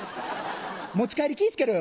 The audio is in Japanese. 持ち帰り気ぃ付けろよ